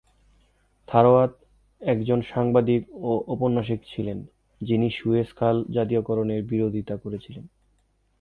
থারওয়াত একজন সাংবাদিক ও ঔপন্যাসিক ছিলেন, যিনি সুয়েজ খাল জাতীয়করণের বিরোধিতা করেছিলেন।